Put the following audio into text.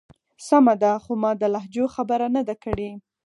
سمه ده. خو ما د لهجو خبره نه ده کړی.